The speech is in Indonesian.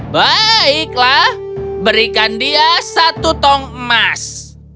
baiklah berikan dia satu tong emas